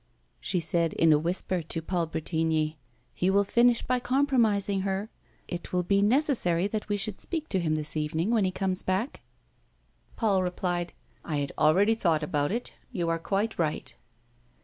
She said in a whisper to Paul Bretigny: "He will finish by compromising her. It will be necessary that we should speak to him this evening when he comes back." Paul replied: "I had already thought about it. You are quite right."